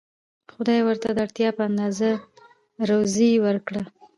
خدای ورته د اړتیا په اندازه روزي ورکړه.